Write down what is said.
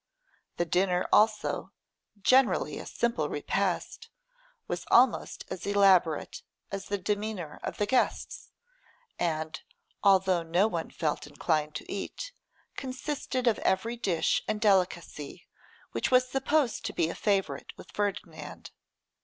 The dinner also, generally a simple repast, was almost as elaborate as the demeanour of the guests, and, although no one felt inclined to eat, consisted of every dish and delicacy which was supposed to be a favourite with Ferdinand.